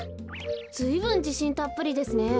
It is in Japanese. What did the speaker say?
ずいぶんじしんたっぷりですね。